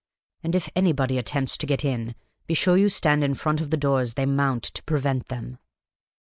And if anybody attempts to get in, be sure you stand in front of the door as they mount to prevent them."